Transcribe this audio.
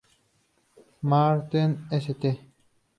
Maarten, St.